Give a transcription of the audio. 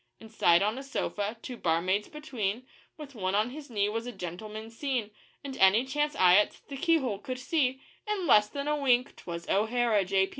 Inside on a sofa, two barmaids between, With one on his knee was a gentleman seen; And any chance eye at the keyhole could see In less than a wink 'twas O'Hara, J.